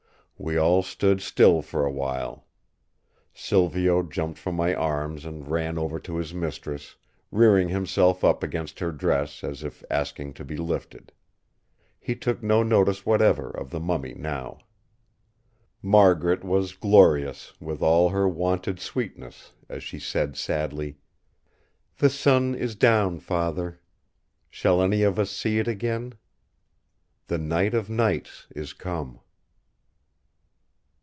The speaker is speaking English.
We all stood still for a while. Silvio jumped from my arms and ran over to his mistress, rearing himself up against her dress as if asking to be lifted. He took no notice whatever of the mummy now. Margaret was glorious with all her wonted sweetness as she said sadly: "The sun is down, Father! Shall any of us see it again? The night of nights is come!"